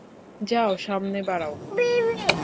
যাও, সামনে বাড়াও!